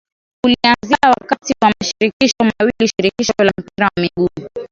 kulianzia wakati wa mashirikisho mawili Shirikisho la mpira wa miguu